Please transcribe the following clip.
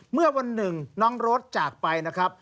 เมื่อวันหนึ่งน้องรถจากไปนะครับ